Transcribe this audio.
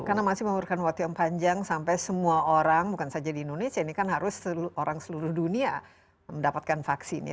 karena masih membutuhkan waktu yang panjang sampai semua orang bukan saja di indonesia ini kan harus orang seluruh dunia mendapatkan vaksin ya